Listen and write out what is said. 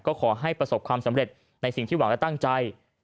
ก็ขอให้ประสบความสำเร็จในสิ่งที่หวังและตั้งใจ